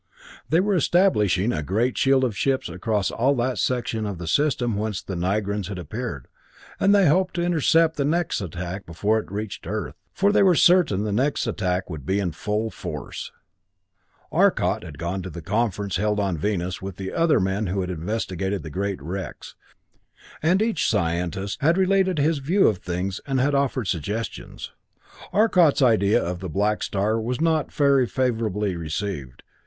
They were establishing a great shield of ships across all that section of the system whence the Nigrans had appeared, and they hoped to intercept the next attack before it reached Earth, for they were certain the next attack would be in full force. Arcot had gone to the conference held on Venus with the other men who had investigated the great wrecks, and each scientist had related his view of things and had offered suggestions. Arcot's idea of the black star was not very favorably received.